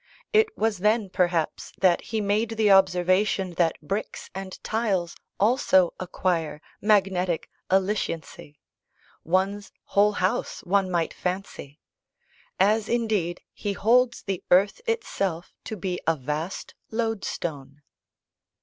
It was then, perhaps, that he made the observation that bricks and tiles also acquire "magnetic alliciency" one's whole house, one might fancy; as indeed, he holds the earth itself to be a vast lodestone.